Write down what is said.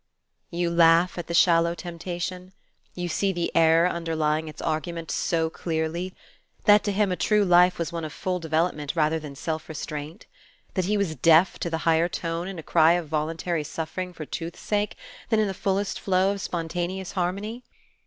You laugh at the shallow temptation? You see the error underlying its argument so clearly, that to him a true life was one of full development rather than self restraint? that he was deaf to the higher tone in a cry of voluntary suffering for truth's sake than in the fullest flow of spontaneous harmony?